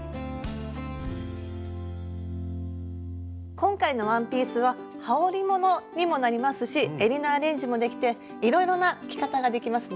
今回のワンピースははおりものにもなりますしえりのアレンジもできていろいろな着方ができますね。